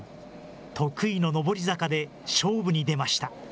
得意の上り坂で勝負に出ました。